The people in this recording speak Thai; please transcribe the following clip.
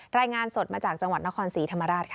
รายงานสดมาจากจังหวัดนครศรีธรรมราชค่ะ